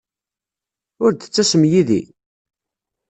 Ur d-ttasem yid-i?